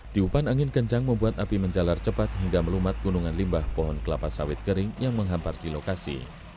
tiupan angin kencang membuat api menjalar cepat hingga melumat gunungan limbah pohon kelapa sawit kering yang menghampar di lokasi